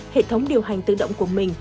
hệ thống điều hành tự động của mình